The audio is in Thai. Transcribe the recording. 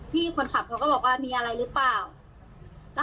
พี่คนขับเขาก็บอกว่ามีอะไรหรือเปล่า